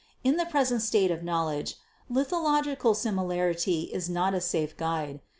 In the present state of knowledge 'lithological similarity' is not a safe guide.